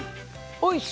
おいし！